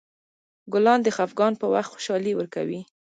ګلان د خفګان په وخت خوشحالي ورکوي.